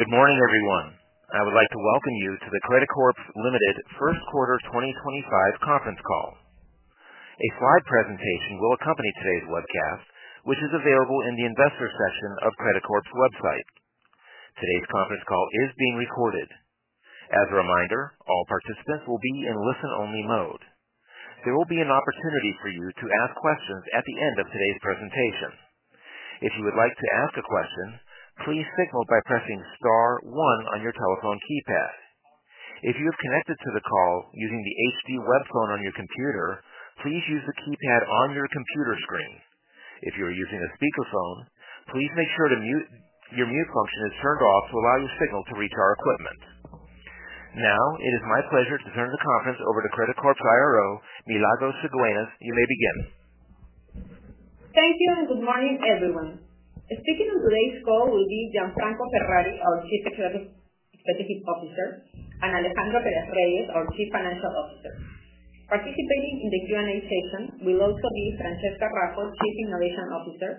Good morning everyone. I would like to welcome you to the Credicorp Limited First Quarter 2025 Conference Call. A slide presentation will accompany today's webcast which is available in the investors section of Credicorp's website. Today's conference call is being recorded. As a reminder, all participants will be in listen only mode. There will be an opportunity for you to ask questions at the end of today's presentation. If you would like to ask a question, please signal by pressing STAR one on your telephone keypad. If you have connected to the call using the HD Webphone on your computer, please use the keypad on your computer screen. If you are using a speakerphone, please make sure your mute function is turned. Off to allow your signal to reach our equipment. Now it is my pleasure to turn the conference over to Credicorp's IRO Milagros Cigüeñas. You may begin. Thank you and good morning everyone. Speaking on today's call will be Gianfranco Ferrari, our Chief Executive Officer, and Alejandro Perez-Reyes, our Chief Financial Officer. Participating in the Q&A session will also be Francesca Raffo, Chief Innovation Officer,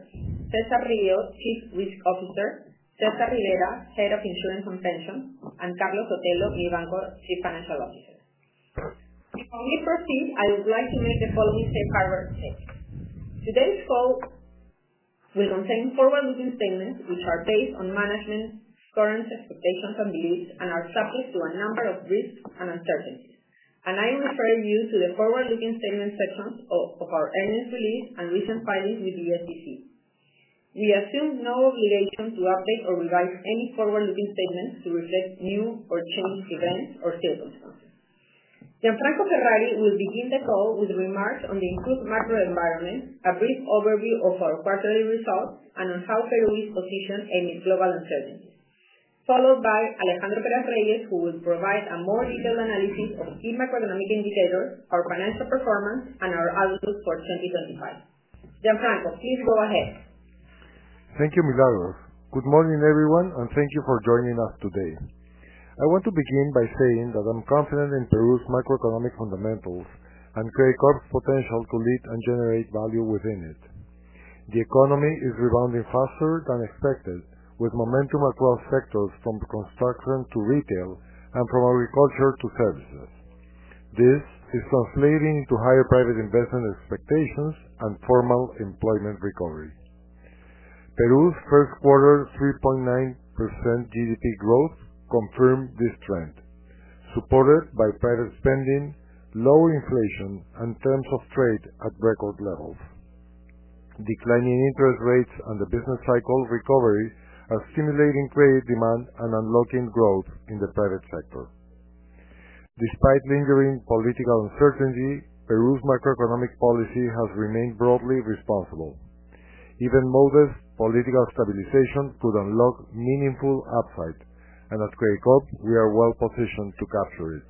Cesar Rios, Chief Risk Officer, Cesar Rivera, Head of Insurance and Pensions, and Carlos Gomez-Lopez, Chief Financial Officer. Before we proceed, I would like to make the following safe harbor statement. Today's call will contain forward looking statements which are based on management's current expectations and beliefs and are subject to a number of risks and uncertainties. I refer you to the Forward Looking Statements sections of our earnings release and recent filings with the U.S. SEC. We assume no obligation to update or revise any forward looking statements to reflect new or changed events or circumstances. Gianfranco Ferrari will begin the call with remarks on the improved macro environment, a brief overview of our quarterly results, and on how Peru is positioned amidst global uncertainty, followed by Alejandro Perez-Reyes who will provide a more detailed analysis of key macroeconomic indicators, our financial performance, and our outlook for 2025. Gianfranco, please go ahead. Thank you. Milagros, good morning everyone and thank you for joining us today. I want to begin by saying that I'm confident in Peru's macroeconomic fundamentals and Credicorp's potential to lead and generate value within it. The economy is rebounding faster than expected with momentum across sectors from construction to retail and from agriculture to services. This is translating to higher private investment expectations and formal employment recovery. Peru's first quarter 3.9% GDP growth confirmed this trend, supported by private spending, lower inflation and terms of trade at record levels. Declining interest rates and the business cycle recovery are stimulating credit demand and unlocking growth in the private sector. Despite lingering political uncertainty, Peru's macroeconomic policy has remained broadly responsible. Even modest political stabilization could unlock meaningful upside, and at Credicorp we are well positioned to capture it.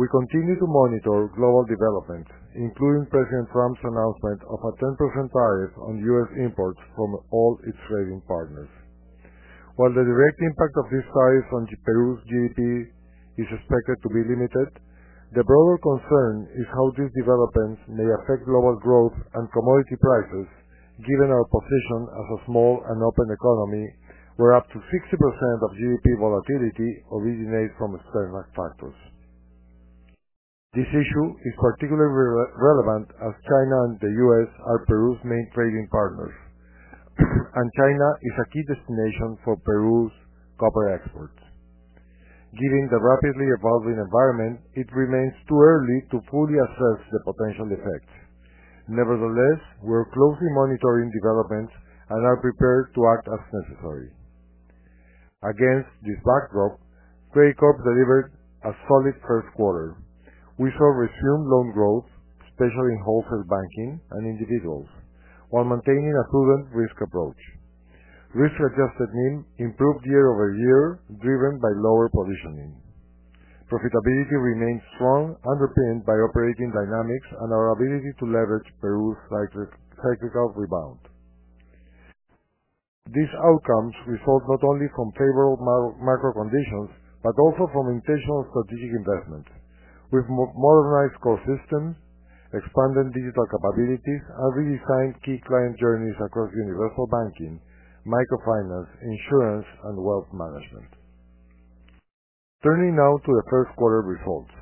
We continue to monitor global development, including President Trump's announcement of a 10% tariff on U.S. imports from all its trading partners. While the direct impact of this tariff on Peru's GDP is expected to be limited, the broader concern is how these developments may affect global growth and commodity prices, given our position as a small and open economy where up to 60% of GDP volatility originates from external factors. This issue is particularly relevant as China and the U.S. are Peru's main trading partners and China is a key destination for Peru's copper exports. Given the rapidly evolving environment, it remains too early to fully assess the potential effects. Nevertheless, we are closely monitoring developments and are prepared to act as necessary. Against this backdrop, Credicorp delivered a solid first quarter. We saw resumed loan growth, especially in wholesale banking and individuals, while maintaining a prudent risk approach. Risk-adjusted NIM improved year over year driven by lower positioning. Profitability remains strong, underpinned by operating dynamics and our ability to leverage Peru cycle technical rebound. These outcomes result not only from favorable macro conditions but also from intentional strategic investments with modernized core systems, expanded digital capabilities, and redesigned key client journeys across universal banking, microfinance, insurance, and wealth management. Turning now to the first quarter results,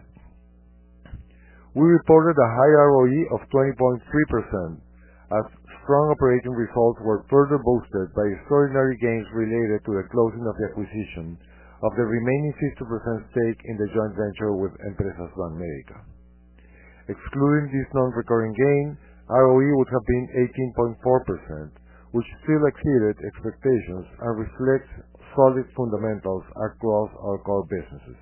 we reported a high ROE of 20.3% as strong operating results were further boosted by extraordinary gains related to the closing of the acquisition of the remaining 50% stake in the joint venture with Empresas Van Medica. Excluding this non-recurring gain, ROE would have been 18.4% which still exceeded expectations and reflects solid fundamentals across our core businesses.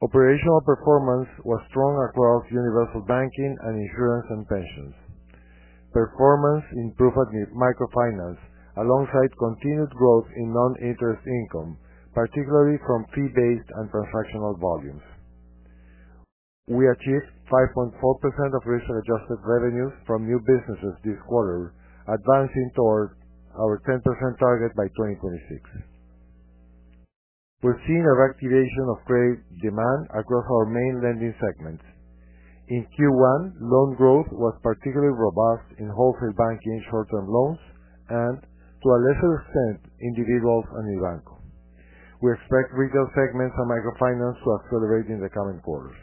Operational performance was strong across universal banking and insurance and pensions. Performance improved microfinance alongside continued growth in non interest income, particularly from fee based and transactional volumes. We achieved 5.4% of real estate adjusted revenues from new businesses this quarter, advancing toward our 10% target by 2026. We're seeing a reactivation of credit demand across our main lending segments in Q1. Loan growth was particularly robust in wholesale banking, short term loans and to a lesser extent individuals and Mibanco. We expect retail segments and microfinance to accelerate in the coming quarters.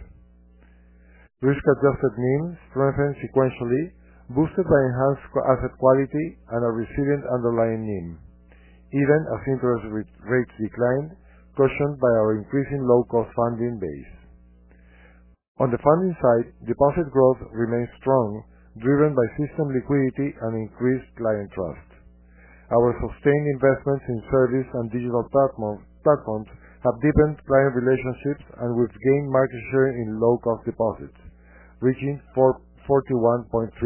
Risk adjusted NIM strengthened sequentially, boosted by enhanced asset quality and a resilient underlying NIM even as interest rates declined, cautioned by our increasing low cost funding base. On the funding side, deposit growth remains strong, driven by system liquidity and increased client trust. Our sustained investments in service and digital platforms have deepened client relationships and we've gained market share in low cost deposits, reaching 41.3%.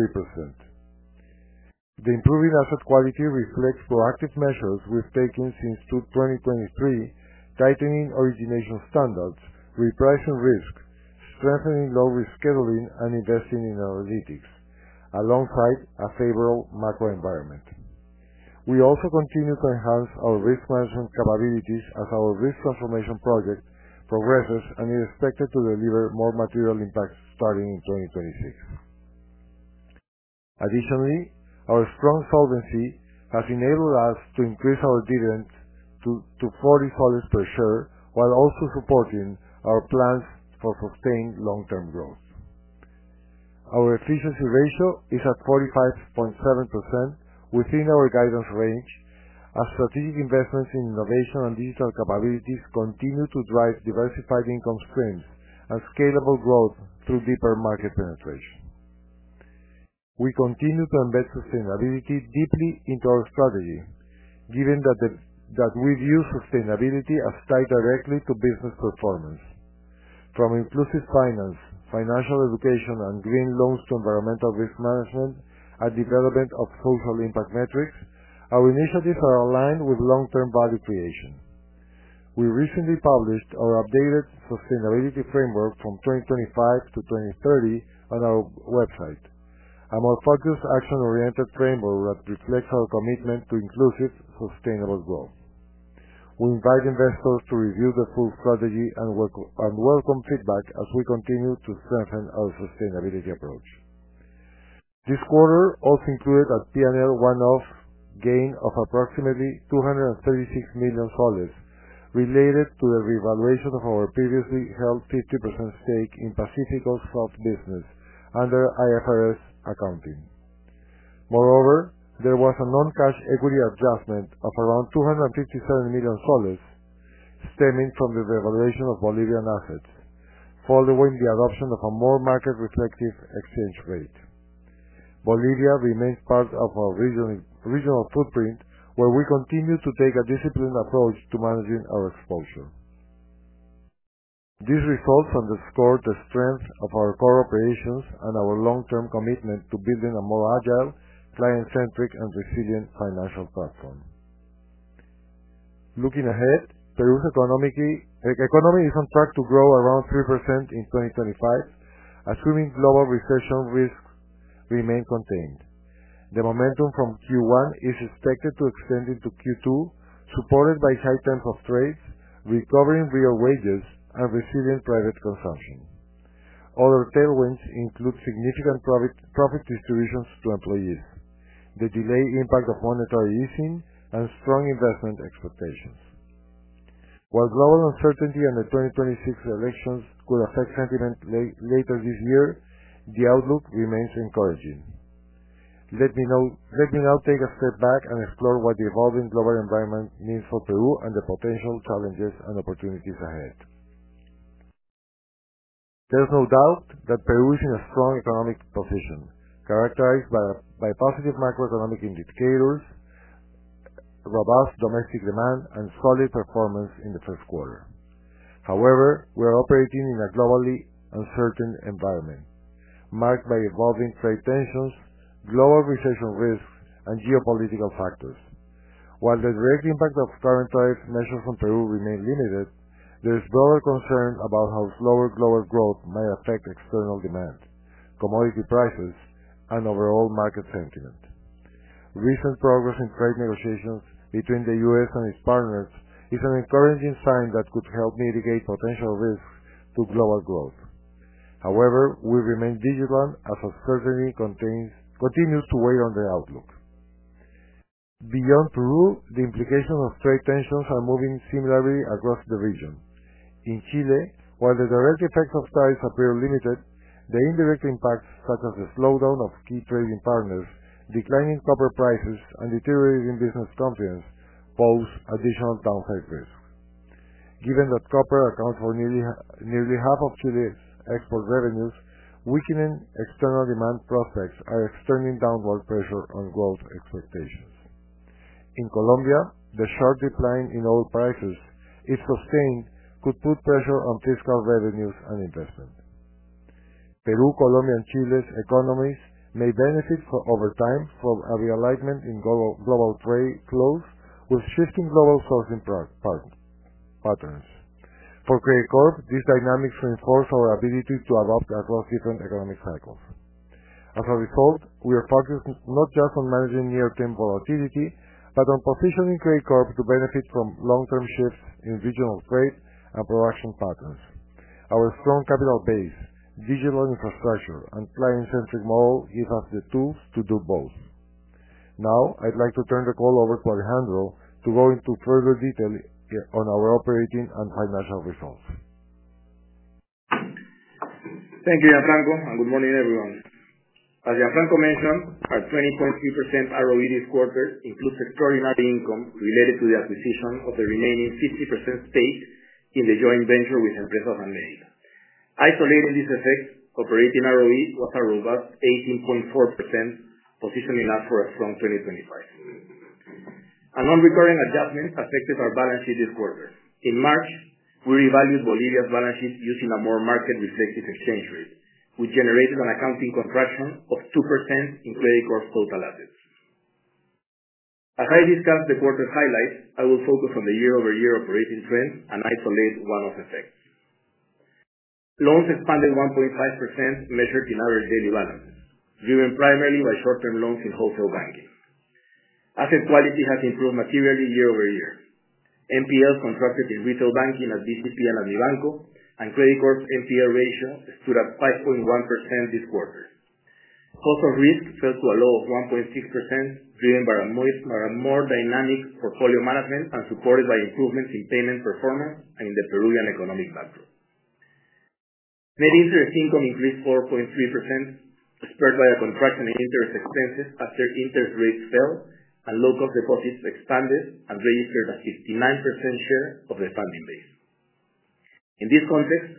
The improving asset quality reflects proactive measures we've taken since 2023 tightening origination standards, repricing risk, strengthening low risk scheduling, and investing in analytics alongside a favorable macro environment. We also continue to enhance our risk management capabilities as our risk transformation project progresses and is expected to deliver more material impacts starting in 2026. Additionally, our strong solvency has enabled us to increase our dividend to PEN 40 per share while also supporting our plans for sustained long term growth. Our efficiency ratio is at 45.7% within our guidance range. As strategic investments in innovation and digital capabilities continue to drive diversified income streams and scalable growth through deeper market penetration, we continue to embed sustainability deeply into our strategy given that we view sustainability as tied directly to business performance. From inclusive finance, financial education and green loans to environmental risk management and development of social impact metrics, our initiatives are aligned with long term value creation. We recently published our updated sustainability framework from 2025-2030 on our website, a more focused, action oriented framework that reflects our commitment to inclusive sustainable growth. We invite investors to review the full strategy and welcome feedback as we continue to strengthen our sustainability approach. This quarter also included a P&L off gain of approximately PEN 236 million related to the revaluation of our previously held 50% stake in Pacifico Soft business under IFRS accounting. Moreover, there was a non cash equity adjustment of around PEN 257 million stemming from the devaluation of Bolivian assets following the adoption of a more market reflective exchange rate. Bolivia remains part of our regional footprint where we continue to take a disciplined approach to managing our exposure. These results underscore the strength of our core operations and our long-term commitment to building a more agile, client-centric, and resilient financial platform. Looking ahead, Peru's economy is on track to grow around 3% in 2025 assuming global recession risks remain contained. The momentum from Q1 is expected to extend into Q2, supported by high terms of trade, recovering real wages, and resilient private consumption. Other tailwinds include significant profit distributions to employees, the delayed impact of monetary easing, and strong investment expectations. While global uncertainty and the 2026 elections could affect sentiment later this year, the outlook remains encouraging. Let me now take a step back and explore what the evolving global environment means for Peru and the potential challenges and opportunities ahead. There's no doubt that Peru is in a strong economic position characterized by positive macroeconomic indicators, robust domestic demand, and solid performance in the first quarter. However, we are operating in a globally uncertain environment marked by evolving trade tensions, global recession risks, and geopolitical factors. While the direct impact of current tariff measures on Peru remains limited, there is broader concern about how slower global growth might affect external demand, commodity prices, and overall market sentiment. Recent progress in trade negotiations between the U.S. and its partners is an encouraging sign that could help mitigate potential risks to global growth. However, we remain vigilant as uncertainty continues to weigh on the outlook. Beyond Peru, the implications of trade tensions are moving similarly across the region. In Chile, while the direct effects of tariffs appear limited, the indirect impacts, such as the slowdown of Chile trading partners, declining copper prices, and deteriorating business confidence pose additional downhill risk given that copper accounts for nearly half of Chile's export revenues. Weakening external demand prospects are extending downward pressure on growth expectations. In Colombia, the sharp decline in oil prices, if sustained, could put pressure on fiscal revenues and investment. Peru, Colombia, and Chile's economies may benefit over time from a realignment in global trade flows with shifting global sourcing patterns. For Credicorp, these dynamics reinforce our ability to adapt across different economic cycles. As a result, we are focused not just on managing near term volatility, but on positioning Credicorp to benefit from long term shifts in regional trade and production patterns. Our strong capital base, digital infrastructure and client centric model give us the tools to do both. Now I'd like to turn the call over to Alejandro to go into further detail on our operating and financial results. Thank you Gianfranco and good morning everyone. As Gianfranco mentioned, our 20.3% ROE this quarter includes extraordinary income related to the acquisition of the remaining 50% stake in the joint venture with Empresas América. Isolating this effect, operating ROE was a robust 18.4%, positioning us for a strong 2025. A non-recurring adjustment affected our balance sheet this quarter. In March, we revalued Bolivia's balance sheet using a more market-reflective exchange rate, which generated an accounting contraction of 2% in Credicorp's total assets. As I discuss the quarter highlights, I will focus on the year-over-year operating trend and isolate one-off effects. Loans expanded 1.5% measured in average daily balances, driven primarily by short-term loans. In wholesale banking, asset quality has improved materially year-over-year. NPL contracted in retail banking at BCP and Mibanco and Credicorp's NPL ratio stood at 5.1% this quarter. Cost of risk fell to a low of 1.6%, driven by a more dynamic portfolio management and supported by improvements in payment performance and in the Peruvian economic backdrop. Net interest income increased 4.3%, spurred by a contraction in interest expenses after interest rates fell and low-cost deposits expanded and registered a 59% share of the funding base. In this context,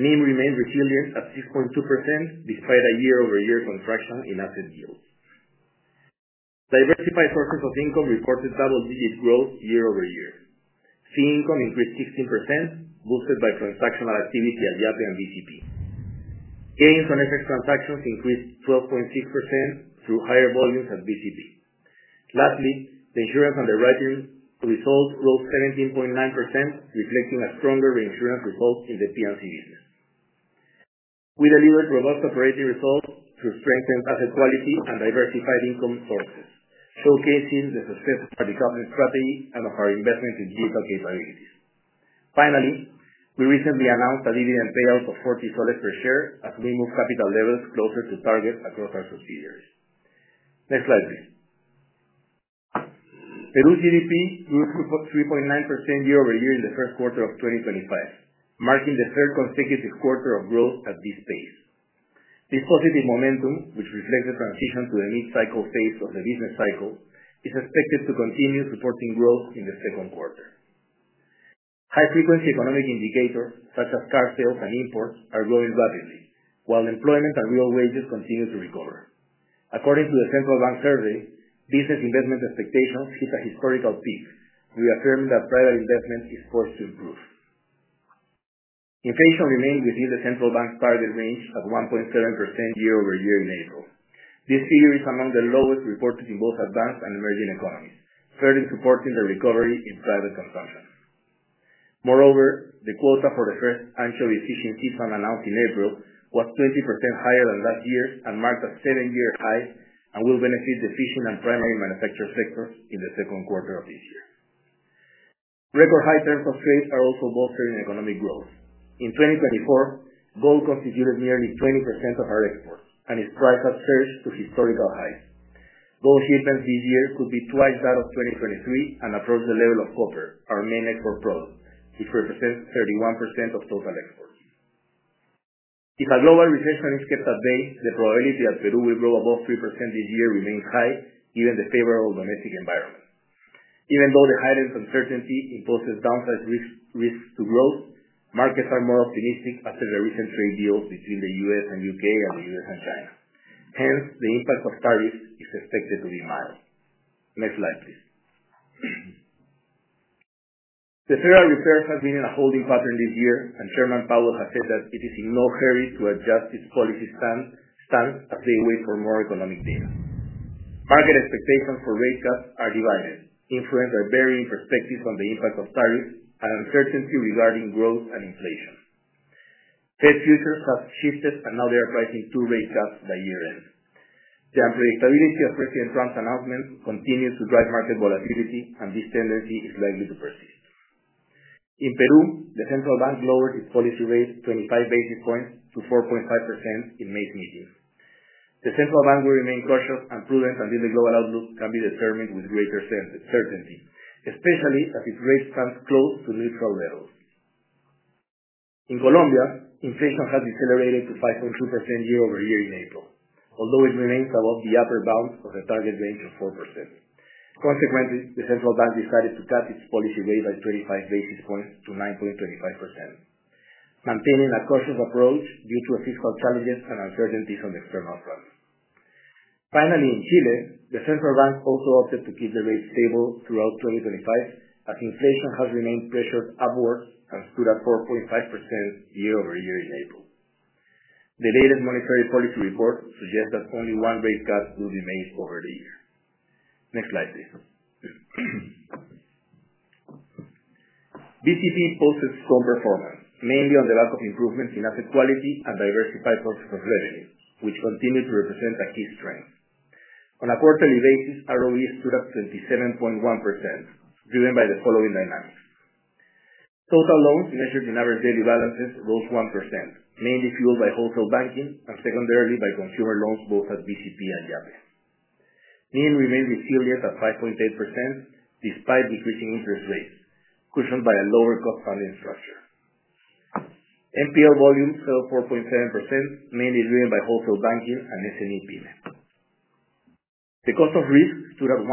NIM remained resilient at 6.2% despite a year-over-year contraction in asset yields. Diversified sources of income reported double-digit growth year over year. Fee income increased 16%, boosted by transactional activity at Yape and BCP. Gains on FX transactions increased 12.6% through higher volumes at BCP Bolivia. Lastly, the insurance underwriting results rose 17.9%, reflecting a stronger reinsurance result. In the P&C business, we delivered robust operating results through strengthened asset quality and diversified income sources, showcasing the success of our development strategy and of our investments in digital capabilities. Finally, we recently announced a dividend payout of PEN 40 per share as we move capital levels closer to target across our subsidiaries. Next slide please. Peru's GDP grew 3.9% year-over-year in the first quarter of 2025, marking the third consecutive quarter of growth at this pace. This positive momentum, which reflects the transition to the mid cycle phase of the business cycle, is expected to continue supporting growth in the second quarter. High frequency economic indicators such as car sales and imports are growing rapidly while employment and real wages continue to recover. According to the central bank survey, business investment expectations hit a historical peak, reaffirming that private investment is forced to improve. Inflation remains within the Central Bank's target range at 1.7% year-over-year in April. This figure is among the lowest reported in both advanced and emerging economies, further supporting the recovery in private consumption. Moreover, the quota for the first annual efficiency in T zone announced in April was 20% higher than last year and marked a seven-year high and will benefit the fishing and primary manufacture sectors in the second quarter of this year. Record high terms of trade are also bolstering economic growth. In 2024, gold constituted nearly 20% of our exports and its price has surged to historical highs. Gold shipments this year could be twice that of 2023 and approach the level of copper, our main export producer which represents 31% of total exports. If a global recession is kept at bay, the probability that Peru will grow above 3% this year remains high given the favorable domestic environment. Even though the heightened uncertainty imposes downsized risks to growth, markets are more optimistic after the recent trade deals between the U.S. and U.K. and the U.S. and China. Hence, the impact of tariffs is expected to be mild. Next slide please. The Federal Reserve has been in a holding pattern this year and Chairman Powell has said that it is in no hurry to adjust its policy stance as they wait for more economic data. Market expectations for rate cuts are divided, influenced by varying perspectives on the impact of tariffs and uncertainty regarding growth and inflation. Fed futures have shifted and now they are pricing two rate cuts by year end. The unpredictability of President Trump's announcement continues to drive market volatility and this tendency is likely to persist. In Peru, the central bank lowered its policy rate 25 basis points to 4.5% in May. Smithing the central bank will remain cautious and prudent until the global outlook can be determined with greater certainty, especially as its rate stands close to neutral levels. In Colombia, inflation has decelerated to 5.2% year-over-year in April, although it remains above the upper bounds of a target range of 4%. Consequently, the central bank decided to cut its policy rate by 25 basis points to 9.25%, maintaining a cautious approach due to fiscal challenges and uncertainties on the external front. Finally, in Chile, the central bank also opted to keep the rate stable throughout 2025 as inflation has remained pressured upwards and stood at 4.5% in year-over-year. In April, the latest Monetary Policy report suggests that only one rate cut will be made over the year. Next slide please. BCP posted strong performance mainly on the lack of improvements in asset quality and diversified sources of revenue which continue to represent a key strength. On a quarterly basis, ROE stood at 27.1%, driven by the following dynamics. Total loans measured in average daily balances rose 1%, mainly fueled by wholesale banking and secondarily by consumer loans. Both at BCP and Yape, NIM remained resilient at 5.8% despite decreasing interest rates, cushioned by a lower cost funding structure. NPL volumes fell 4.7%, mainly driven by wholesale banking and SME Pemet. The cost of risk stood at 1.3%.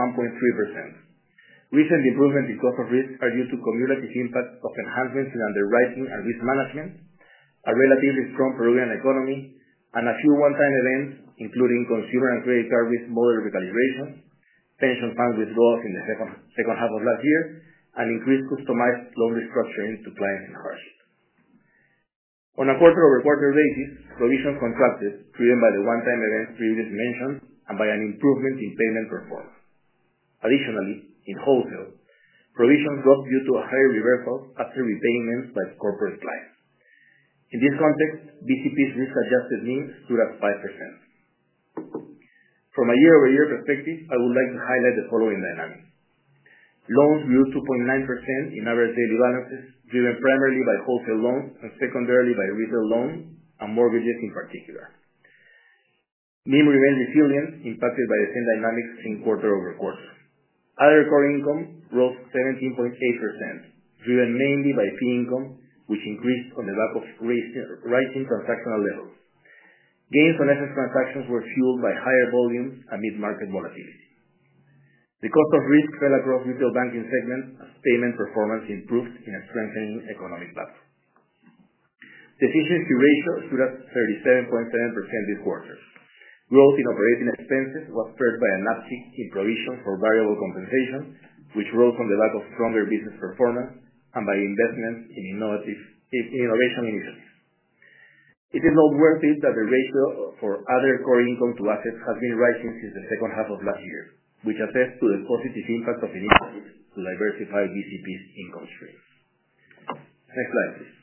Recent improvements in cost of risk are due to cumulative impact of enhancements in underwriting and risk management, a relatively strong Peruvian economy, and a few one-time events including consumer and credit card model recalibration, pension fund withdrawals in the second half of last year, and increased customized loan restructuring to clients in hardship. On a quarter-over-quarter basis, provisions contracted, driven by the one-time events previously mentioned and by an improvement in payment performance. Additionally, in wholesale, provisions dropped due to a higher reversal after repayments by corporate clients. In this context, BCP's risk-adjusted NIM stood at 5%. From a year-over-year perspective, I would like to highlight the following dynamics: loans grew 2.9% in average daily balances, driven primarily by wholesale loans and secondarily by retail loans and mortgages. In particular, NIM remained resilient, impacted by the same dynamics seen quarter-over-quarter. Other recurring income rose 17.8% driven mainly by fee income, which increased on the back of rising transactional levels. Gains on asset transactions were fueled by higher volumes amid market volatility. The cost of risk fell across retail banking segments as payment performance improved in a strengthening economic platform. The efficiency ratio stood at 37.7% this quarter. Growth in operating expenses was spurred by an uptick in provisions for variable compensation, which rose from the lack of stronger business performance and by investments in innovation initiatives. It is noteworthy that the ratio for other core income to assets has been rising since the second half of last year, which attests to the positive impact of initiatives to diversify BCP's income stream. Next slide please.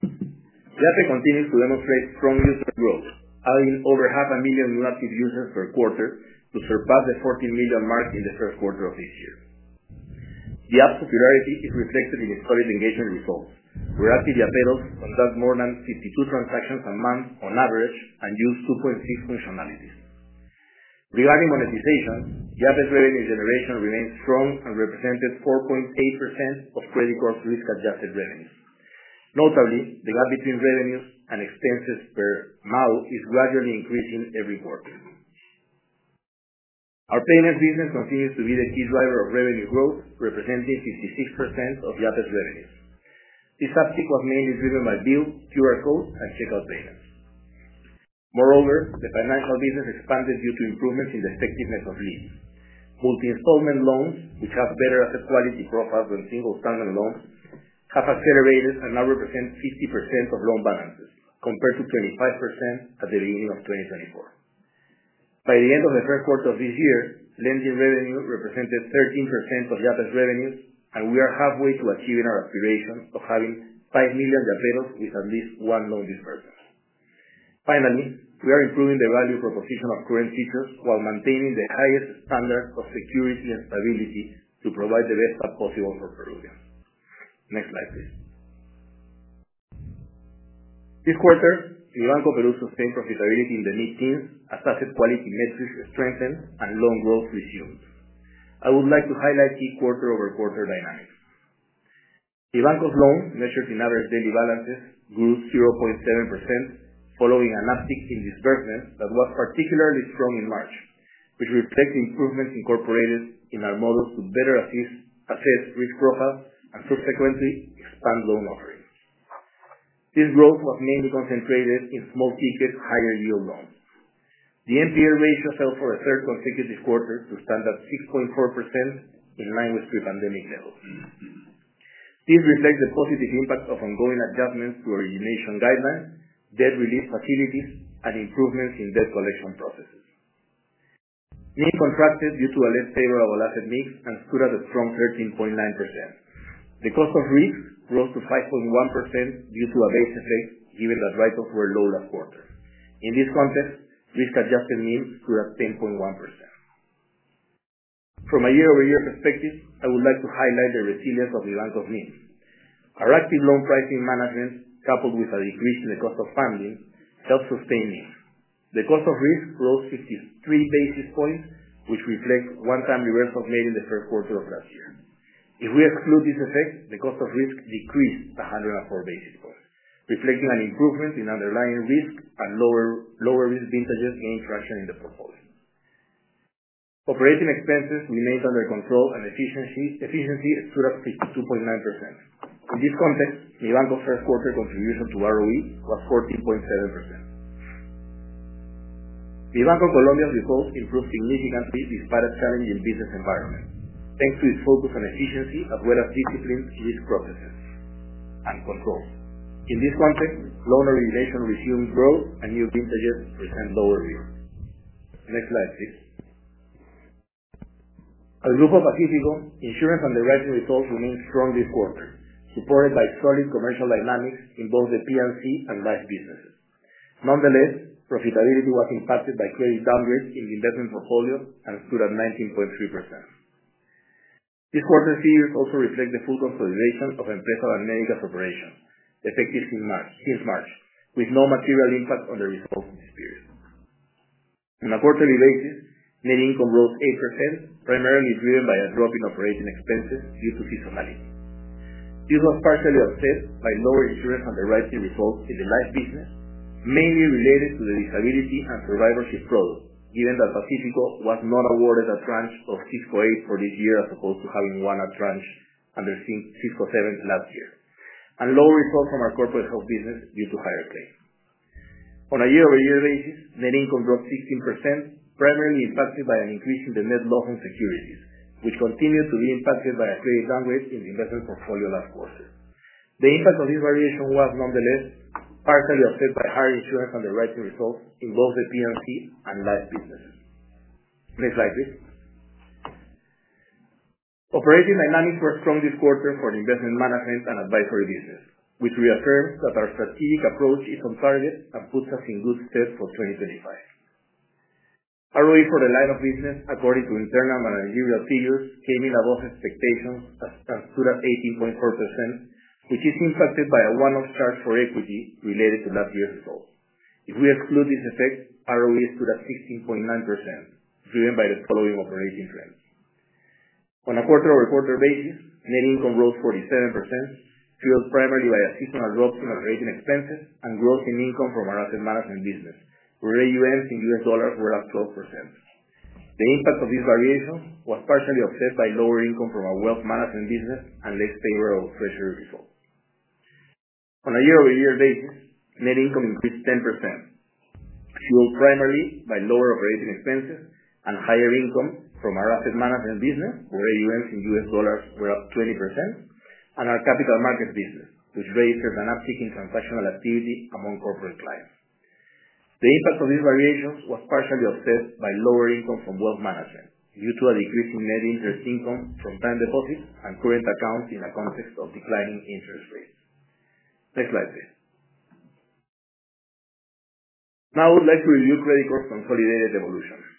Yape continues to demonstrate strong user growth, adding over 500,000 new active users per quarter to surpass the 14 million mark in the first quarter of this year. Yape's popularity is reflected in the solid engagement results where Yape users conduct more than 52 transactions a month on average and use 2.6 functionalities. Regarding monetization, Yape's revenue generation remained strong and represented 4.8% of credit card's risk-adjusted revenues. Notably, the gap between revenues and expenses per mile is gradually increasing every quarter. Our payments business continues to be the key driver of revenue growth, representing 56% of Yape's revenues. This is mainly driven by bill, QR code, and checkout payments. Moreover, the financial business expanded due to improvements in the effectiveness of loans. Multi-installment loans, which have better asset quality profiles than single standard loans, have accelerated and now represent 50% of loan balances compared to 25% at the beginning of 2024. By the end of the first quarter of this year, lending revenue represented 13% of Yape's revenues, and we are halfway to achieving our aspirations of having 5 million jaqueros with at least one loan disbursed. Finally, we are improving the value proposition of current features while maintaining the highest standard of security and stability to provide the best possible for Peruvians. Next slide, please. This quarter, Mibanco Peru sustained profitability in the mid-teens as asset quality metrics strengthened and loan growth resumed. I would like to highlight key quarter-over-quarter dynamics. Mibanco's loan measured in average daily balances grew 0.7% following an uptick in disbursement that was particularly strong in March, which reflects improvements incorporated in our models to better assess risk profile and subsequently expand loan offerings. This growth was mainly concentrated in small ticket higher yield loans. The NPL ratio fell for a third consecutive quarter to stand at 6.4% in line with pre-pandemic levels. This reflects the positive impact of ongoing adjustments to origination guidelines, debt relief facilities, and improvements in debt collection processes. NIM contracted due to a less favorable asset mix and stood at a strong 13.9%. The cost of risk rose to 5.1% due to a base effect, given that write-offs were low last quarter. In this context, risk-adjusted NIM stood at 10.1%. From a year-over-year perspective, I would like to highlight the resilience of the bank of NIMs. Our active loan pricing management coupled with a decrease in the cost of funding helped sustain NIM. The cost of risk rose 53 basis points which reflect one-time reversals made in the first quarter of last year. If we exclude this effect, the cost of risk decreased by 104 basis points reflecting an improvement in underlying risk and lower risk vintages gained traction in the portfolio. Operating expenses remained under control and efficiency stood at 52.9%. In this context, Mibanco's first quarter contribution to ROE was 14.7%. Mibanco Colombia's results improved significantly despite a challenging business environment thanks to its focus on efficiency as well as disciplined risk processes and control. In this context, loan origination resumed growth and new vintages present lower risk. As. Pacifico Seguros insurance underwriting results remained strong this quarter, supported by solid commercial dynamics in both the P&C businesses. Nonetheless, profitability was impacted by credit downgrades in the investment portfolio and stood at 19.3% this quarter. Figures also reflect the full consolidation of M Peso and Nemica's operation effective since March, with no material impact on the results in this period. On a quarterly basis, net income rose 8%, primarily driven by a drop in operating expenses due to seasonality. This was partially offset by lower insurance underwriting results in the life business, mainly related to the disability and survivorship products. Given that Pacifico Seguros was not awarded a tranche of 648 for this year as opposed to five having won a tranche under SISCO 7 last year and lower results from our corporate health business due to higher claims on a year-over-year basis, net income dropped 16% primarily impacted by an increase in the net loss on securities which continued to be impacted by a credit downgrade in the investment portfolio last quarter. The impact of this variation was nonetheless partially offset by higher insurance underwriting results in both the P&C and life businesses. Next slide please. Operating dynamics were strong this quarter for investment management and advisory business which reaffirms that our strategic approach is on target and puts us in good stead for 2025. ROE for the line of business according to internal managerial figures came in above expectations and stood at 18.4% which is impacted by a one-off charge for equity related to Yape's result. If we exclude this effect, ROE stood at 16.9% driven by the following operating trends. On a quarter-over-quarter basis, net income rose 47% fueled primarily by a seasonal dropdown of rating expenses and growth in income from our asset management business where AUMs in US dollars were up 12%. The impact of this variation was partially offset by lower income from our wealth management business and less favorable treasury referred to. On a year-over-year basis, net income increased 10% fueled primarily by lower operating expenses and higher income from our asset management business, where AUMs in US dollars were up 20%, and our capital markets business, which raised an uptick in transactional activity among corporate clients. The impact of these variations was partially offset by lower income from wealth management due to a decrease in net interest income from time deposit and current accounts in a context of declining interest rates. Next slide please. Now I would like to review Credicorp's consolidated evolution.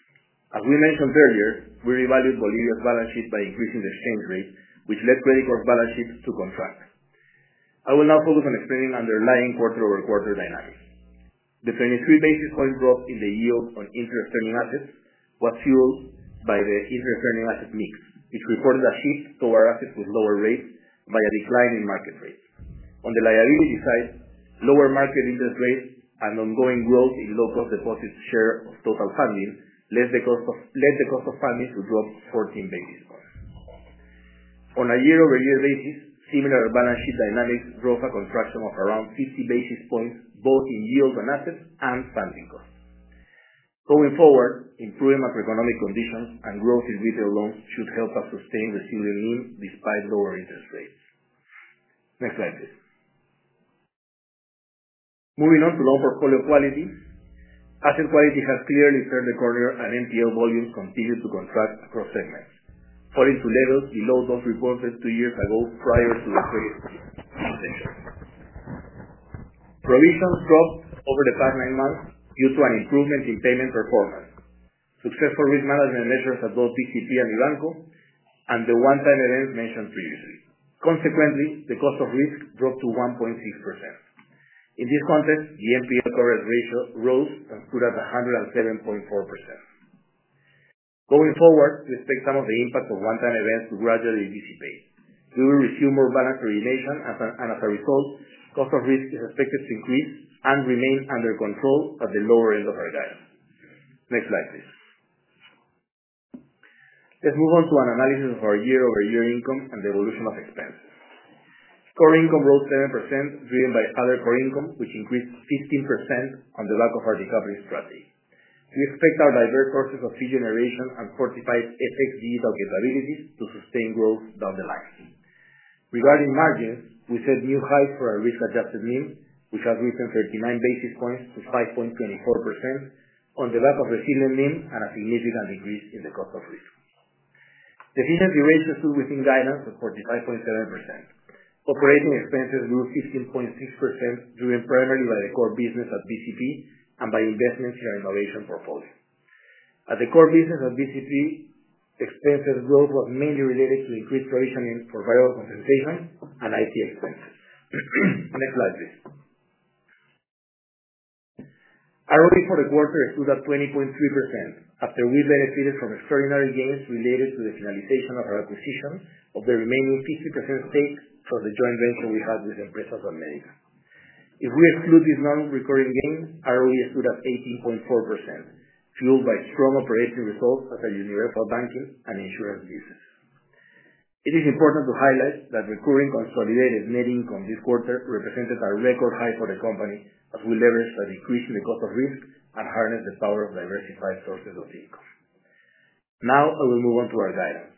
As we mentioned earlier, we revalued Bolivia's balance sheet by increasing the exchange rate, which led Credicorp's balance sheets to contract. I will now focus on explaining underlying quarter over quarter dynamics. The 23 basis points drop in the yield on interest earning assets was fueled by the east referring asset mix which reported a shift to our assets with lower rates by a decline in market rates. On the liability side, lower market interest rates and ongoing growth in low cost deposits share of total funding led the cost of families to drop 14 basis points on a year-over-year basis. Similar balance sheet dynamics drove a contraction of around 50 basis points both in yield on assets and funding costs. Going forward, improving macroeconomic conditions and growth in retail loans should help us sustain the student loan despite lower interest rates. Next slide please. Moving on to loan portfolio quality, asset quality has clearly turned the corner and NPL volumes continue to contract across segments falling to levels below those reported two years ago. Prior to the credit provisions dropped over the past nine months due to an improvement in payment performance, successful risk management measures at both BCP and Mibanco and the one time events mentioned previously. Consequently, the cost of risk dropped to 1.6%. In this context, the NPL coverage ratio rose and stood at 107.4%. Going forward, we expect some of the impact of one time events to gradually dissipate. We will resume more balance origination and as a result cost of risk is expected to increase and remain under control at the lower end of our guidance. Next slide please. Let's move on to an analysis of our year-over-year income and the evolution of expenses. Core income rose 7% driven by other core income which increased 15% on the back of our decoupling strategy. We expect our diverse sources of fee generation and fortified FX digital capabilities to sustain growth down the line. Regarding margins, we set new highs for our risk-adjusted NIM which has risen 39 basis points to 5.24% on the back of the ceiling NIM and a significant increase in the cost of risk. The efficiency ratio stood within guidance of 45.7%. Operating expenses grew 15.6% driven primarily by the core business at BCP and by investments in our innovation portfolio. At the core business of BCP, expenses growth was mainly related to increased provisioning for variable compensation and IT expenses. Next slide please. ROE for the quarter stood at 20.3% after we benefited from extraordinary gains related to the finalization of our acquisition of the remaining 50% stake for the joint venture we had with Empresas and Medica. If we exclude these non recurring gains, ROE stood at 18.4% fueled by strong operating results. As a universal banking and insurance business, it is important to highlight that recurring consolidated net income this quarter represented a record high for the company as we leveraged a decrease in the cost of risk and harness the power of diversified sources of income. Now I will move on to our guidance.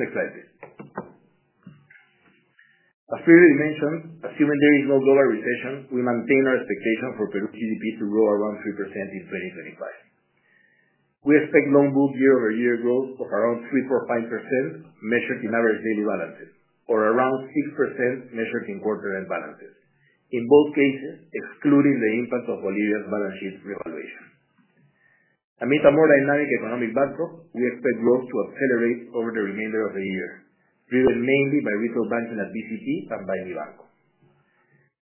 Next slide please. As previously mentioned, assuming there is no global recession, we maintain our expectation for Peru GDP to grow around 3% in 2025. We expect loan book year-over-year growth of around 3.45% measured in average daily balances or around 6% measured in quarter-end balances. In both cases, excluding the impact of Bolivia's balance sheet revaluation amid a more dynamic economic backdrop, we expect growth to accelerate over the remainder of the year driven mainly by retail banking at BCP and by Mibanco.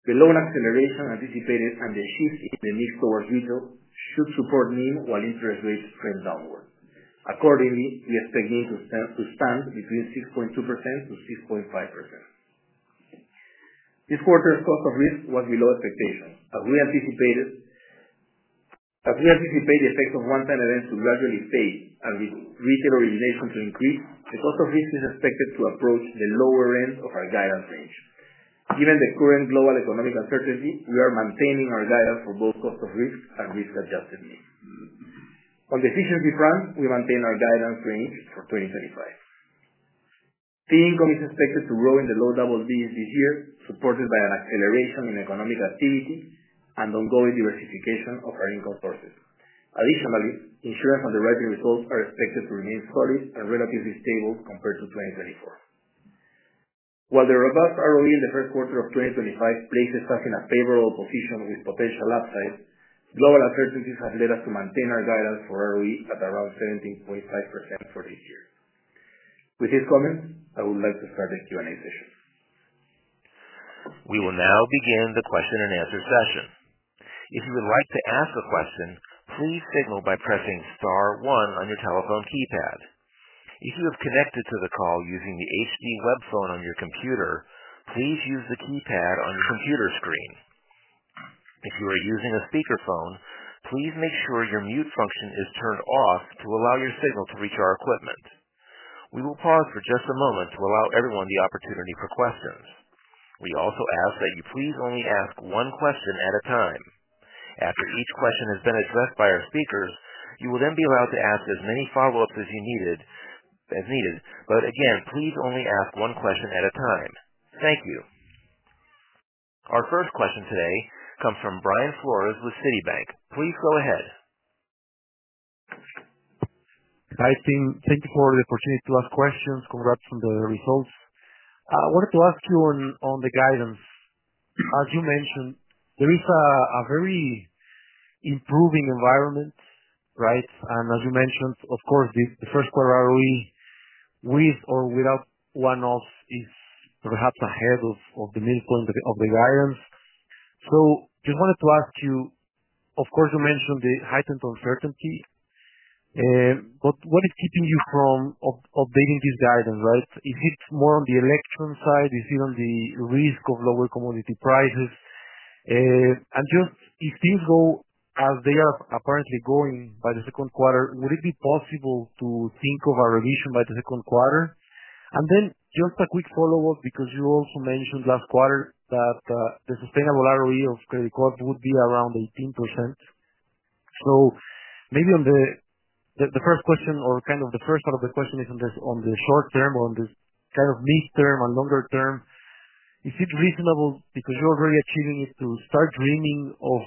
The loan acceleration anticipated and the shift in the mix towards retail should support NIM while interest rates trend downward. Accordingly, we expect NIM to stand between 6.2%-6.5%. This quarter's cost of risk was below expectations as we anticipate the effects of one-time events to gradually fade and retail origination to increase. The cost of risk is expected to approach the lower end of our guidance range. Given the current global economic uncertainty, we are maintaining our guidance for both cost of risk and risk-adjusted NIM. On the efficiency front, we maintain our guidance range for 2025. Fee income is expected to grow in the low double digits this year, supported by an acceleration in economic activity and ongoing diversification of our income sources. Additionally, insurance underwriting results are expected to remain solid and relatively stable compared to 2024, while the robust ROE in the first quarter of 2025 places us in a favorable position with potential upside. Global uncertainties have led us to maintain our guidance for ROE at around 17.5% for this year. With these comments, I would like to start the Q&A session. We will now begin the Question and Answer session. If you would like to ask a question, please signal by pressing STAR one on your telephone keypad. If you have connected to the call using the HD Webphone on your computer, please use the keypad on your computer screen. If you are using a speakerphone, please make sure your mute function is turned off to allow your signal to reach our equipment. We will pause for just a moment to allow everyone the opportunity for questions. We also ask that you please only ask one question at a time after each question has been addressed by our speakers. You will then be allowed to ask as many follow ups as needed. Again, please only ask one question at a time. Thank you. Our first question today comes from Brian Flores with Citibank. Please go ahead. Hi Tim, thank you for the opportunity to ask questions. Congrats on the results. I wanted to ask you on the guidance, as you mentioned, there is a very improving environment, right? As you mentioned, of course the first quarter ROE, with or without one-off, is perhaps ahead of the midpoint of the guidance. I just wanted to ask you, of course you mentioned the heightened uncertainty, but what is keeping you from updating this guidance, right? Is it more on the election side? Is it on the risk of lower commodity prices? If things go as they are apparently going by the second quarter, would it be possible to think of a revision by the second quarter? Just a quick follow up, because you also mentioned last quarter that the sustainable ROE of credit cost would be around 18%. Maybe on the first question or kind of the first part of the question is on the short term, on this kind of mid term and longer term, is it reasonable, because you're already achieving it, to start dreaming of,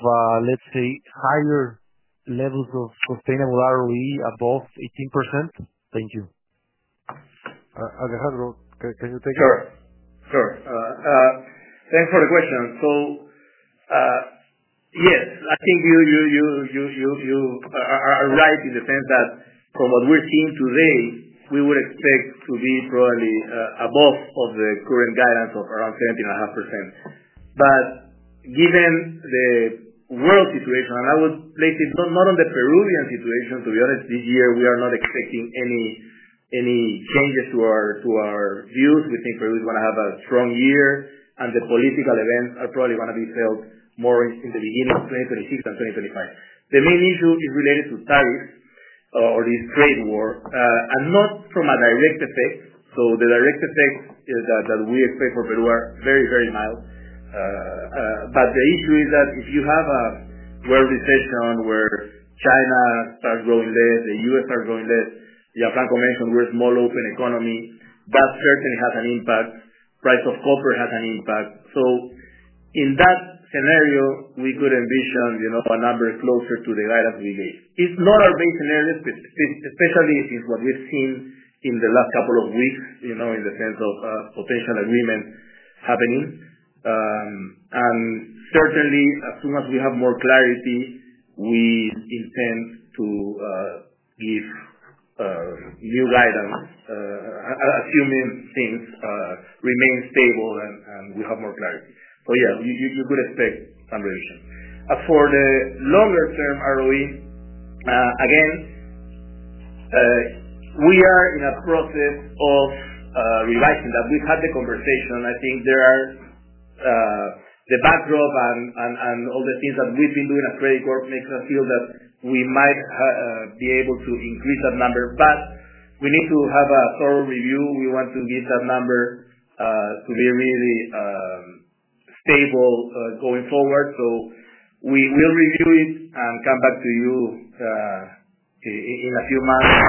let's say, higher levels of sustainable ROE above 18%? Thank you, Alejandro, can you take. Sure, sure. Thanks for the question. Yes, I think you are right in the sense that from what we're seeing today, we would expect to be probably above the current guidance of around 70.5%. Given the world situation, I would base it not on the Peruvian situation, to be honest. This year we are not expecting any changes to our views. We think Peru is going to have a strong year and the political events are probably going to be felt more in the beginning of 2026 than 2025. The main issue is related to tariffs or this trade war and not from a direct effect. The direct effect that we expect for Peru are very, very mild. The issue is that if you have a world recession where China starts growing less, the U.S. starts growing less. Gianfranco mentioned we're a small open economy. That certainly has an impact. Price of copper has an impact. In that scenario we could envision a number closer to the guidance we gave. It is not our base scenario, especially since what we have seen in the last couple of weeks in the sense of potential agreement happening. Certainly, as soon as we have more clarity, we intend to give new guidance, assuming things remain stable and we have more clarity. You could expect some revision for the longer term. ROE, again, we are in a process of revising that. We have had the conversation. I think there are the backdrop and all the things that we have been doing at Credicorp makes us feel that we might be able to increase that number, but we need to have a thorough review. We want to give that number to be really stable going forward. We will review it and come back to you in a few months.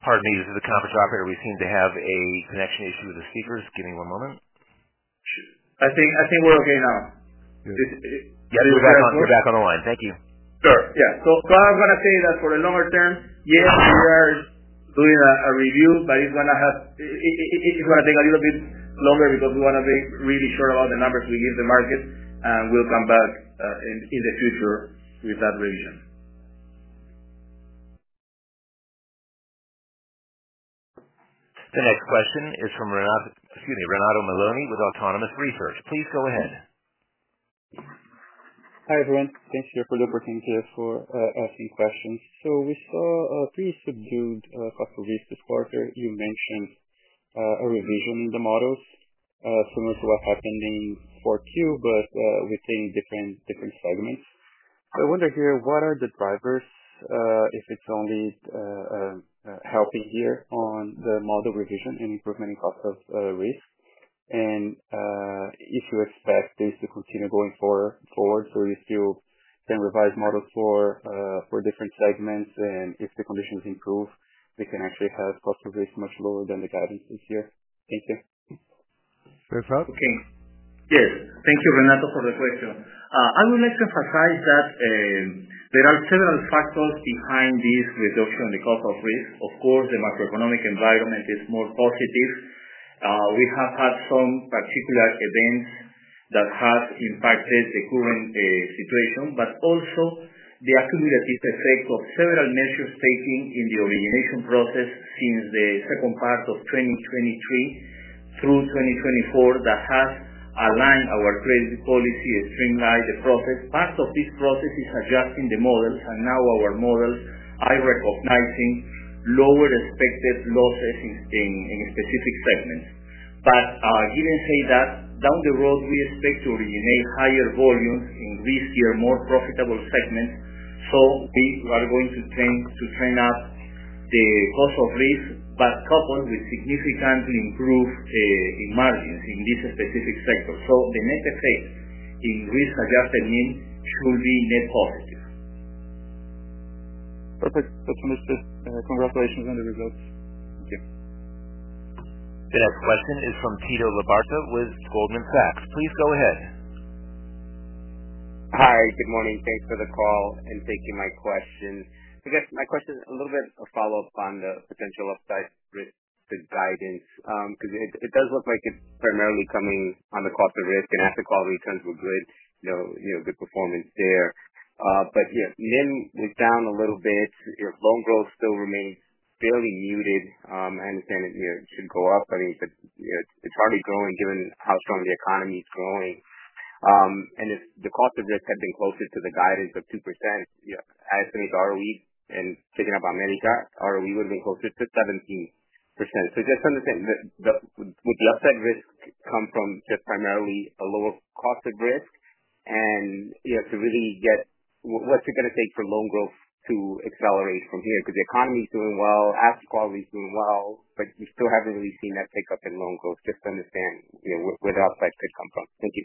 Pardon me, this is the conference operator. We seem to have a connection issue with the speakers. Give me one moment. I think we're okay now. We're back on the line. Thank you. Yeah, so I'm going to say that. For a longer term, yes, we are. Doing a review, but it's going to have. It's going to take a little bit longer because we want to be really sure about the numbers we give the market and we'll come back in the future with that revision. The next question is from Renato Maloney with Autonomous Research. Please go ahead. Hi everyone. Thanks for the opportunity for asking questions. We saw a pretty subdued cost of risk this quarter. You mentioned a revision in the models similar to what happened in Q4 but within different segments. I wonder here, what are the drivers? If it's only helping here on the model revision and improvement in cost of. Risk and if you expect this to. Continue going forward so you still can revise models for different segments, and if the conditions improve, we can actually have cost of risk much lower than the guidance this year. Thank you. Okay. Yes, thank you, Renato, for the question. I would like to emphasize that there are several factors behind this reduction in the cost of risk. Of course, the macroeconomic environment is more positive. We have had some particular events that have impacted the current situation, but also the accumulative effect of several measures taken in the origination process since the second part of 2023 through 2024 that has aligned our credit policy, streamlined the process. Part of this process is adjusting the models and now our models are recognizing lower expected losses in specific segments. But given, say, that down the road we expect to originate higher volumes in riskier, more profitable segments. We are going to train up the cost of risk, but coupled with significantly improved margins in these specific sectors. The net effect in risk-adjusted NIM should be net positive. Perfect. That's it. Mr. Congratulations on the results. Thank you. The next question is from Tito Labarta with Goldman Sachs. Please go ahead. Hi, good morning. Thanks for the call and taking my question. I guess my question, a little bit of follow up on the potential upside to the guidance, because it does look like it's primarily coming on the cost of risk and asset quality. Returns were good performance there, but NIM was down a little bit. Loan growth still remains fairly muted. I understand it should go up. It's hardly growing given how strong the economy is growing. If the cost of risk had been closer to the guidance of 2% as to the RW and picking up, I mean, ROE would have been closer to 17%. Just to understand, would the upside risk come from just primarily a lower cost of risk? You have to really get what's it going to take for loan growth to accelerate from here because the economy is doing well, asset quality is doing well, but we still haven't really seen that pickup in loan growth just to understand where the upside could come from. Thank you.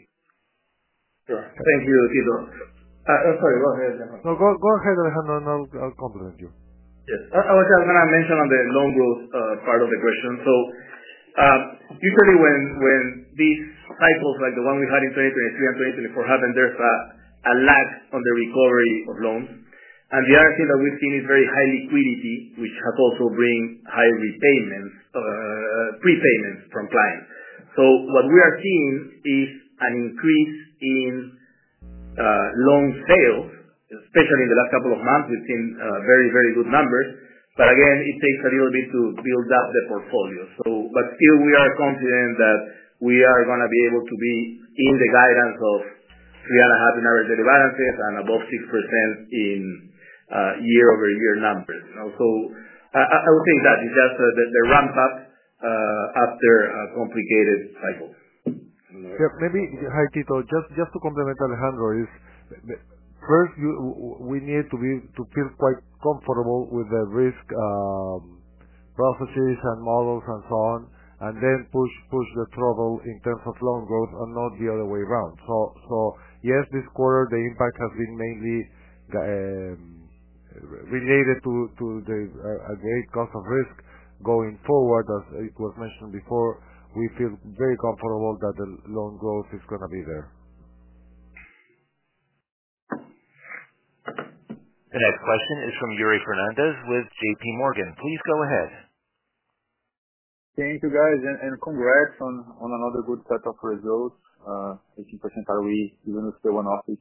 Sure. Thank you, Tito. Sorry, go ahead. No, go ahead, Alejandro, and I'll compliment you. Yes, I was just going to mention on the loan growth part of the question. Usually when these cycles like the one we had in 2023 and 2024 happen, there's a lag on the recovery of loans. The other thing that we've seen is very high liquidity, which has also brought high repayments, prepayments from clients. What we are seeing is an increase in loan sales. Especially in the last couple of months, we've seen very, very good numbers. Again, it takes a little bit to build up the portfolio. Still, we are confident that we are going to be able to be in the guidance of 3.5% in average daily balances and above 6% in year-over-year numbers. I would think that it's just the ramp up after a complicated cycle maybe. Hi Tito. Just to complement Alejandro, first we need to feel quite comfortable with the risk processes and models and so on, and then push the throttle in terms of loan growth and not the other way around. Yes, this quarter the impact has been mainly reduced, related to the great cost of risk going forward. As it was mentioned before, we feel very comfortable that the loan growth is going to be there. The next question is from Yuri Fernandez with JP Morgan. Please go ahead. Thank you guys and congrats on another good set of results. 18%. Are we going to stay on office?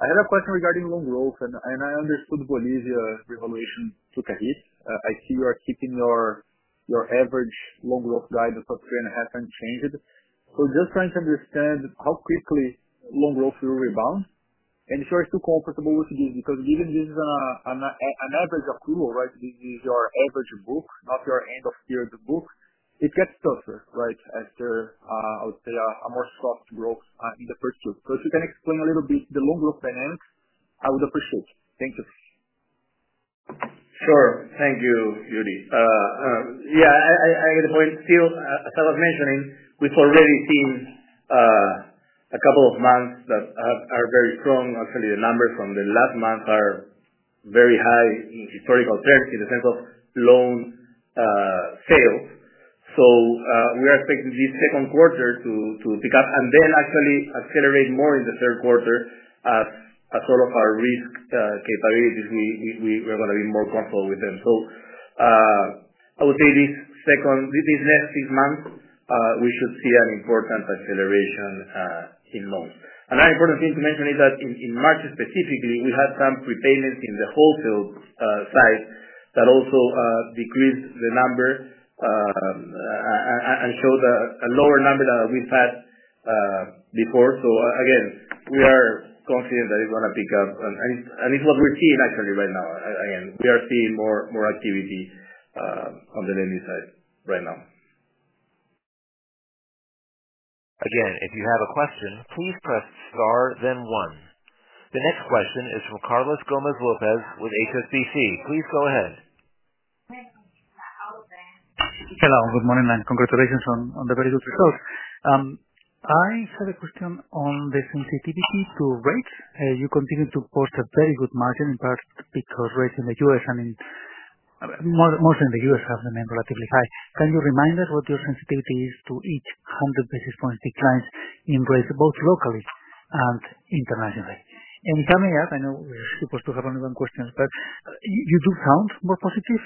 I had a question regarding loan growth and I understood Bolivia revaluation took a hit. I see you are keeping your average loan growth guidance of 3.5 unchanged. So just trying to understand how quickly loan growth will rebound and if you're still comfortable with this because given this is an average accrual. Right. This is your average book, not your end of year the book, it gets tougher. Right. After a more soft growth in the first two. So if you can explain a little bit the loan growth dynamics, I would appreciate. Thank you. Sure. Thank you, Yuri. Yeah, I get the point. Still, as I was mentioning, we've already seen a couple of months that are very strong. Actually, the numbers from the last month are very high in historical terms in the sense of loan. We are expecting this second quarter to pick up and then actually accelerate more in the third quarter as all of our risk capabilities, we are going to be more comfortable with them. I would say this second, these next six months we should see an important acceleration in loans. Another important thing to mention is that in March specifically we had some prepayments in the wholesale that also decreased the number and showed a lower number than we've had before. Again, we are confident that it's going to pick up and it's what we're seeing actually right now. Again, we are seeing more activity on the lending side right now. Again, if you have a question, please press Star then one. The next question is from Carlos Gomez-Lopez with HSBC. Please go ahead. Hello, good morning and congratulations on the very good results. I have a question on the sensitivity to rates. You continue to post a very good margin in part because rates in the U.S. and most in the U.S. have remained relatively high. Can you remind us what your sensitivity is to each 100 basis points? Declines in rates both locally and internationally. Coming up, I know we're supposed to have only one question, but you do sound more positive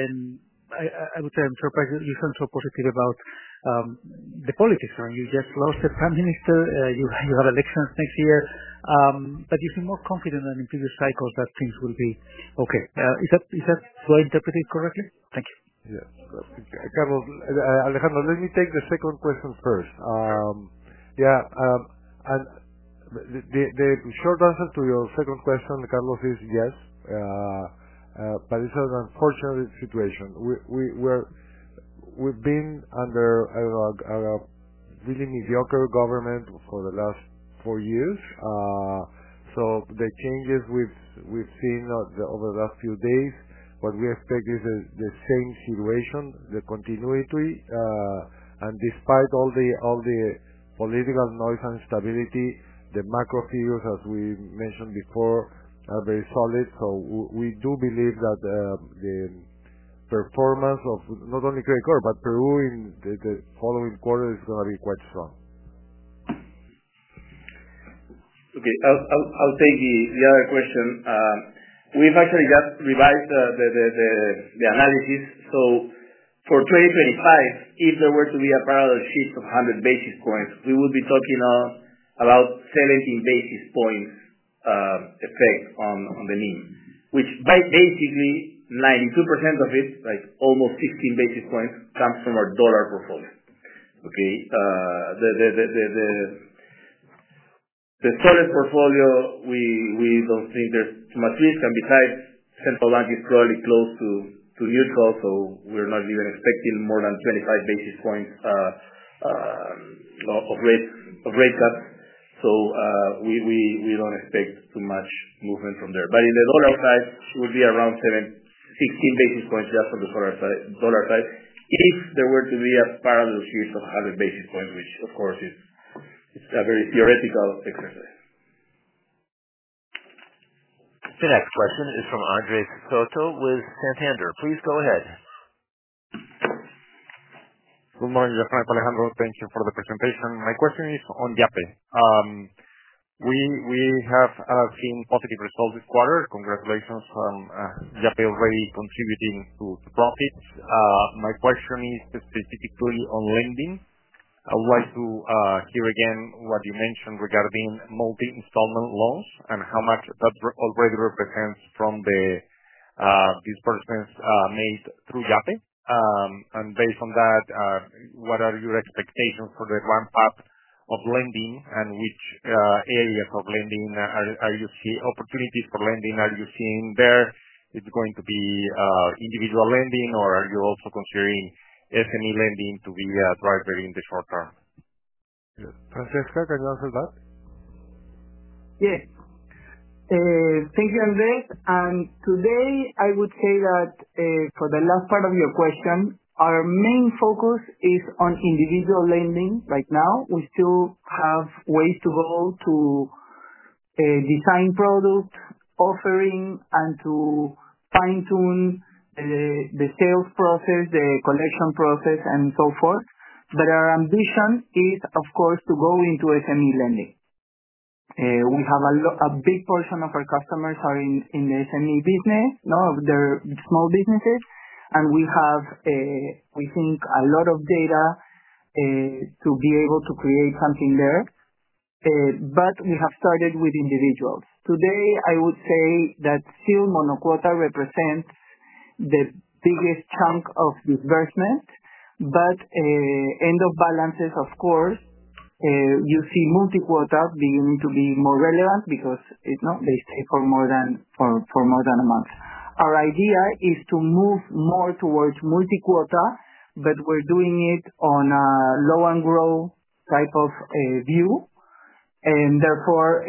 and I would say I'm surprised that you sound so positive about the politics. You just lost the Prime Minister, you have elections next year, but you seem more confident than in previous cycles that things will be okay. Do I interpret it correctly? Thank you. Yes, Carlos. Alejandro, let me take the second question first. Yeah, and the short answer to your second question, Carlos, is yes, but it's an unfortunate situation. We've been under really mediocre government for the last four years. The changes we've seen over the last few days, what we expect is the same situation, the continuity. Despite all the political noise and instability, the macro figures, as we mentioned before, are very solid. We do believe that the performance of not only Credicorp but Peru in the following quarter is going to be quite strong. Okay, I'll take the other question. We've actually just revised the analysis. For 2025, if there were to be a parallel shift of 100 basis points, we would be talking about 17 basis points effect on the NIM, which basically 92% of it, like almost 16 basis points, comes from our dollar portfolio. The sol portfolio, we don't think there's too much risk and besides central bank is probably close to neutral. We're not even expecting more than 25 basis points of rate cuts. We don't expect too much movement from there. On the dollar side, it would be around 16 basis points. Just on the dollar side, if there were to be a parallel shift of 100 basis points, which of course is a very theoretical exercise. The next question is from Andres Soto with Santander. Please go ahead. Good morning, Jasmine. Alejandro, thank you for the presentation. My question is on Yape. We have seen positive results this quarter. Congratulations on Yape already contributing to profits. My question is specifically on lending. I would like to hear again what. You mentioned regarding multi-installment loans and. How much that already represents from the. Disbursements made through Yape. Based on that, what are your expectations for the land path of lending? Which areas of lending are you? Seeing opportunities for lending? Are you seeing there it's going to? Be individual lending or are you also? Considering SME lending to be a driver. In the short term? Francesca, can you answer that? Yes, thank you, Andres. Today I would say that for the last part of your question, our main focus is on individual lending. Right now we still have ways to go to design product offering and to fine tune the sales process, the collection process and so forth. Our ambition is of course to go into SME lending. We have a big portion of our customers are in the SME business, they're small businesses and we have, we think, a lot of data to be able to create something there. We have started with individuals today. I would say that still monoquota represents the biggest chunk of disbursement, but end of balances, of course, you see multiquota beginning to be more relevant because they stay for more than a month. Our idea is to move more towards multi quota, but we're doing it on a low and grow type of view, and therefore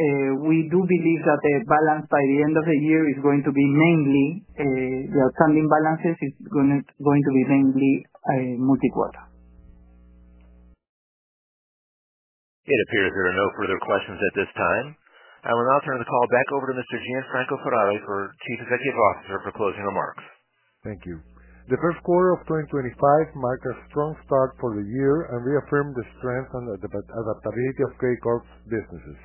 we do believe that the balance by the end of the year is going to be mainly the outstanding balances. It's going to be mainly multi quota. It appears there are no further questions at this time. I will now turn the call back over to Mr. Gianfranco Ferrari, Chief Executive Officer, for closing remarks. Thank you. The first quarter of 2025 marked a strong start for the year and reaffirmed the strength and adaptability of Credicorp's businesses.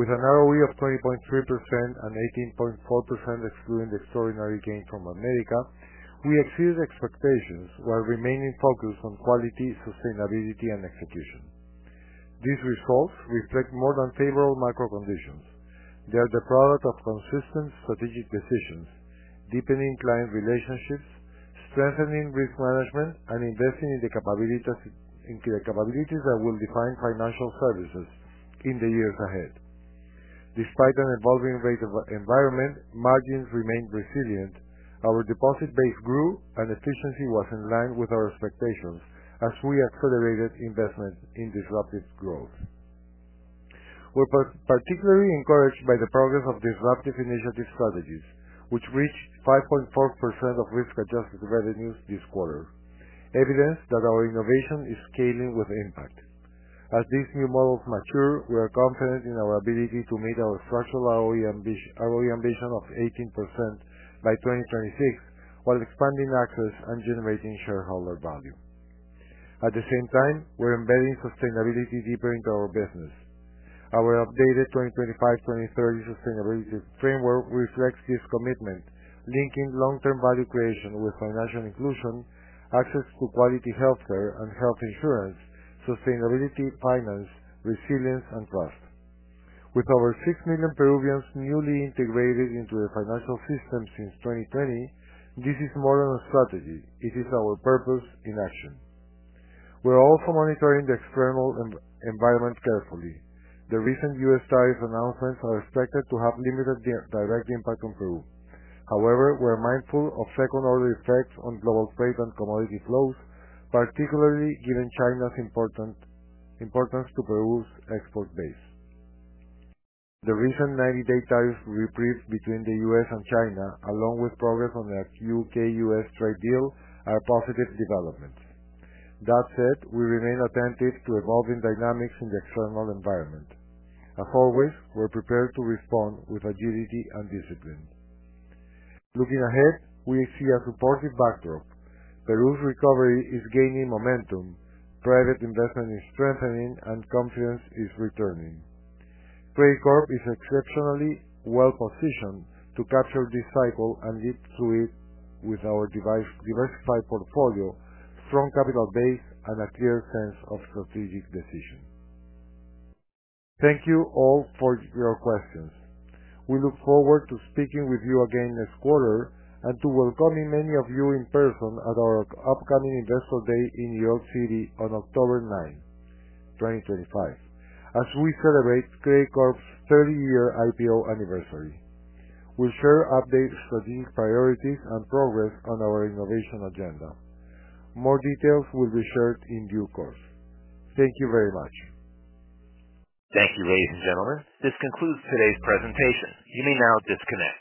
With an ROE of 20.3% and 18.4% excluding the extraordinary gain from America, we exceeded expectations while remaining focused on quality, sustainability, and execution. These results reflect more than favorable macro conditions. They are the product of consistent strategic decisions, deepening client relationships, strengthening risk management, and investing in the capabilities that will define financial services in the years ahead. Despite an evolving rate environment, margins remained resilient, our deposit base grew, and efficiency was in line with our expectations as we accelerated investment in disruptive growth. We are particularly encouraged by the progress of disruptive initiative strategies, which reached 5.4% of risk-adjusted revenues this quarter, evidence that our innovation is scaling with impact. As these new models mature, we are confident in our ability to meet our structural ROE ambition of 18% by 2026 while expanding access and generating shareholder value. At the same time, we're embedding sustainability deeper into our business. Our updated 2025-2030 sustainability framework reflects this commitment, linking long term value creation with financial inclusion, access to quality healthcare and health insurance, sustainability, finance, resilience and trust. With over 6 million Peruvians newly integrated into the financial system since 2020, this is more than a strategy, it is our purpose in action. We are also monitoring the external environment carefully. The recent U.S. tariff announcements are expected to have limited direct impact on Peru. However, we are mindful of second order effects on global trade and commodity flows, particularly given China's importance to Peru's export base. The recent 90 day tariff reprieve between the U.S. and China, along with progress on the U.K.-U.S. trade deal are positive developments. That said, we remain attentive to evolving dynamics in the external environment. As always, we're prepared to respond with agility and discipline. Looking ahead, we see a supportive backdrop. Peru's recovery is gaining momentum, private investment is strengthening and confidence is returning. Credicorp is exceptionally well positioned to capture this cycle and get through it with our diversified portfolio, strong capital base and a clear sense of strategic decision. Thank you all for your questions. We look forward to speaking with you again next quarter and to welcoming many of you in person at our upcoming Investor Day in New York City on October 9, 2025. As we celebrate Credicorp's 30 year IPO anniversary, we'll share update, strategic priorities and progress on our innovation agenda. More details will be shared in due course. Thank you very much. Thank you. Ladies and gentlemen, this concludes today's presentation. You may now disconnect.